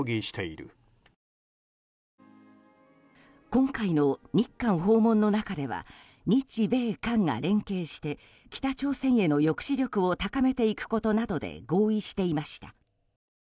今回の日韓訪問の中では日米韓が連携して北朝鮮への抑止力を高めていくことなどで合意していました。